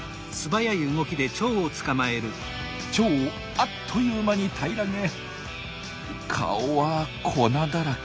チョウをあっという間に平らげ顔は粉だらけ。